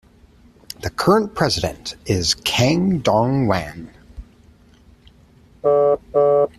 The current president is Kang Dong-Wan.